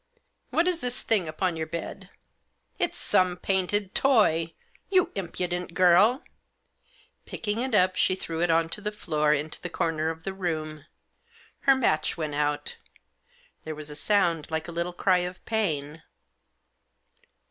"What is this thing upon your bed? It's some painted toy. You impudent girl !" Picking it up, she threw it on to the floor into the corner of the room. Her match went out. There was a sound like a little cry of pain.